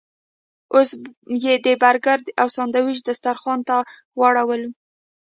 اوس یې د برګر او ساندویچ دسترخوان ته واړولو.